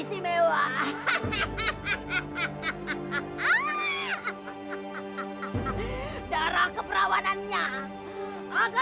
kita harus pergi